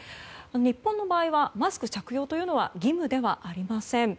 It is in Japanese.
日本の場合はマスク着用というのは義務ではありません。